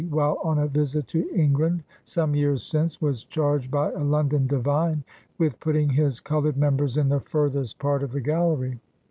while on a visit to England, some years since, was charged by a London divine with putting his colored members in the furthest part of the gallery.